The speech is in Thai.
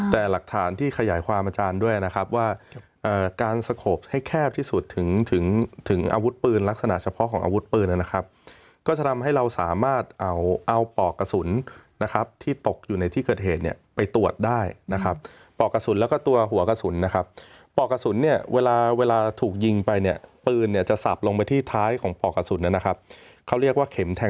แต่หลักฐานที่ขยายความอาจารย์ด้วยนะครับว่าการสโขกให้แคบที่สุดถึงถึงอาวุธปืนลักษณะเฉพาะของอาวุธปืนนะครับก็จะทำให้เราสามารถเอาเอาปอกกระสุนนะครับที่ตกอยู่ในที่เกิดเหตุเนี่ยไปตรวจได้นะครับปอกกระสุนแล้วก็ตัวหัวกระสุนนะครับปอกกระสุนเนี่ยเวลาเวลาถูกยิงไปเนี่ยปืนเนี่ยจะสับลงไปที่ท้ายของปอกกระสุนนะครับเขาเรียกว่าเข็มแทง